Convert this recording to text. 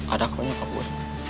ada kau nyokap gue